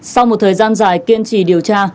sau một thời gian dài kiên trì điều tra